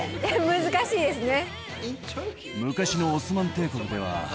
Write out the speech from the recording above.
難しいですね。